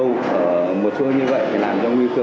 ở một số như vậy để làm cho nguy cơ